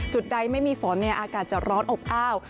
ใดไม่มีฝนอากาศจะร้อนอบอ้าว